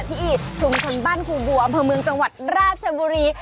ที่อีชมชนบ้านครูบัวพระเมิงจังหวัดราชบุรี